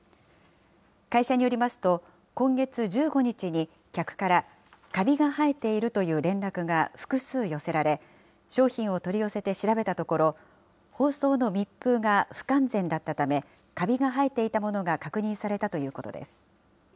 会社によりますと、今月１５日に客から、カビが生えているという連絡が複数寄せられ、商品を取り寄せて調べたところ、包装の密封が不完全だったため、カビが生えていたものが確認されたということです。